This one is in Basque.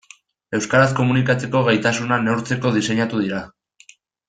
Euskaraz komunikatzeko gaitasuna neurtzeko diseinatu dira.